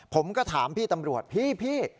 ผมก็ถามพี่ตำรวจพี่